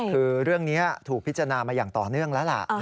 คือเรื่องนี้ถูกพิจารณามาอย่างต่อเนื่องแล้วล่ะ